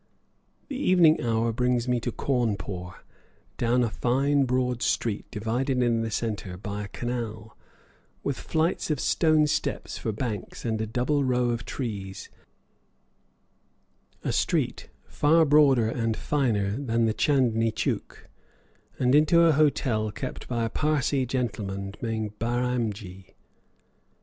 The evening hour brings me into Cawnpore, down a fine broad street divided in the centre by a canal, with flights of stone steps for banks and a double row of trees a street far broader and finer than the Chandni Chouk and into an hotel kept by a Parsee gentleman named Byramjee.